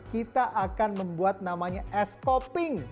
kita akan membuat namanya es koping